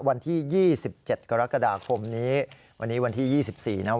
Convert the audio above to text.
วันที่๒๗กรกฎาคมนี้วันนี้วันที่๒๔นะครับ